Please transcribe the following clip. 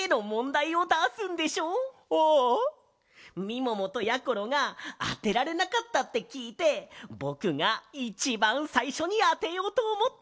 みももとやころがあてられなかったってきいてぼくがいちばんさいしょにあてようとおもってるんだ！